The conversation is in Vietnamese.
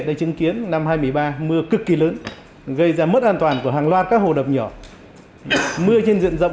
đã chứng kiến năm hai nghìn một mươi ba mưa cực kỳ lớn gây ra mất an toàn của hàng loạt các hồ đập nhỏ mưa trên diện rộng